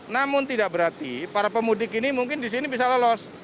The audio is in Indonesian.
namun tidak berarti para pemudik ini mungkin di sini bisa lolos